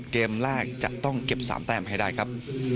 เกมแรกจะต้องเก็บ๓แต้มให้ได้ครับ